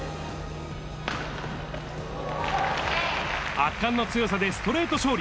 圧巻の強さでストレート勝利。